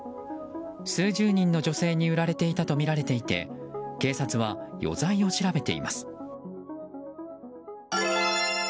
数十人の女性に売られていたとみられていて警察は余罪を調べています。